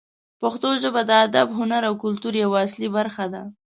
پښتو ژبه د ادب، هنر او کلتور یوه اصلي برخه ده.